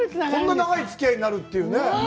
こんな長いつき合いになるというね。